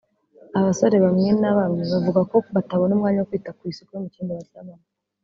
Abasore bamwena bamwe bavuga ko batabona umwanya wo kwita ku isuku yo mu cyumba baryamamo